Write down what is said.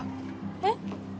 えっ？